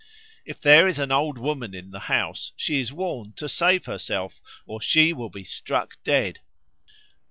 If there is an old woman in the house she is warned to save herself, or she will be struck dead.